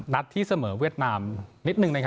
นัดที่เสมอเวียดนามนิดนึง